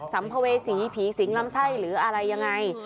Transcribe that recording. สัมภเวษีผีสิงลำไส้หรืออะไรยังไง